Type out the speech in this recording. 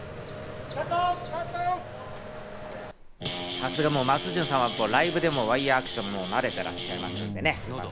さすが松潤さんはライブでもワイヤアクションに慣れてますんでね。